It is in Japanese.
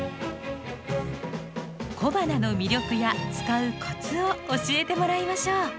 小花の魅力や使うコツを教えてもらいましょう。